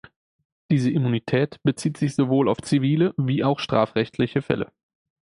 Diese Immunität bezieht sich sowohl auf zivile wie auch strafrechtliche Fälle.